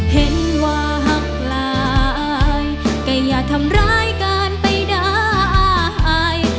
เห็นว่าหักลายก็อย่าทำร้ายการไปได้